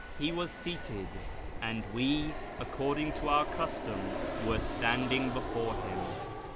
He was seated, and we, according to our custom, were standing before him.